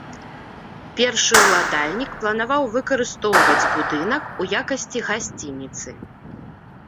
Першы ўладальнік планаваў выкарыстоўваць будынак у якасці гасцініцы.